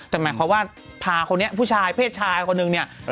แต่หมายความว่าพาคนนี้ผู้ชายเพศชายคนหนึ่งเนี่ย